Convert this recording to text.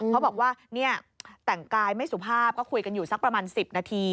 เขาบอกว่าเนี่ยแต่งกายไม่สุภาพก็คุยกันอยู่สักประมาณ๑๐นาที